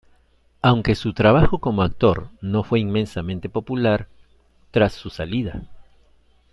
Aunque su trabajo como actor no fue inmensamente popular, tras su salida.